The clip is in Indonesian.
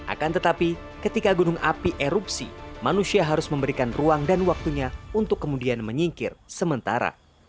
akan tetapi ketika gunung api erupsi manusia harus memberikan ruang dan waktunya untuk kemudian menyingkir sementara